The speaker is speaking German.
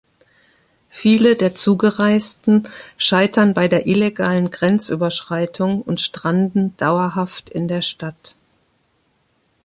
Viele der Zugereisten scheitern bei der illegalen Grenzüberschreitung und stranden dauerhaft in der Stadt.